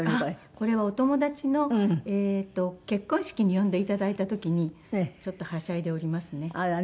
これはお友達の結婚式に呼んで頂いた時にちょっとはしゃいでおりますね。